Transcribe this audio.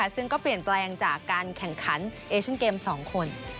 ซึ่งเปลี่ยนแปลงจากการแข่งขันเกมสองคน